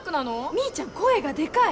ミーちゃん声がデカい！